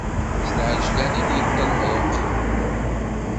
S lɛejlan i d-yeṭelliq.